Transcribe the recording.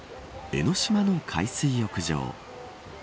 江の島の海水浴場。